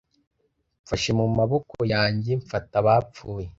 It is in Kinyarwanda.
mfashe mu maboko yanjye mfata abapfuye